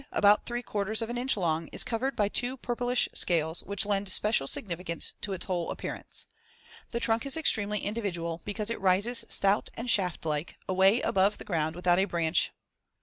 74, about three quarters of an inch long, is covered by two purplish scales which lend special significance to its whole appearance. The trunk is extremely individual because it rises stout and shaft like, away above the ground without a branch as shown in Fig. 73.